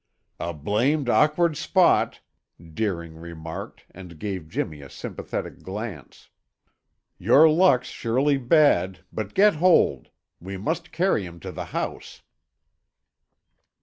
"A blamed awkward spot!" Deering remarked and gave Jimmy a sympathetic glance. "Your luck's surely bad, but get hold. We must carry him to the house."